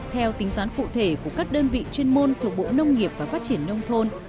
theo tính toán cụ thể của các đơn vị chuyên môn thuộc bộ nông nghiệp và phát triển nông thôn